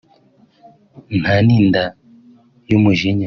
nta n’inda y’umujinya